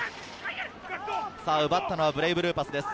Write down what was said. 奪ったのはブレイブルーパスです。